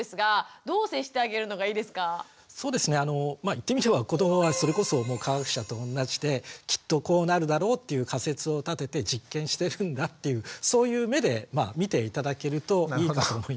言ってみれば子どもはそれこそ科学者とおんなじできっとこうなるだろうっていう仮説を立てて実験してるんだっていうそういう目で見て頂けるといいかと思います。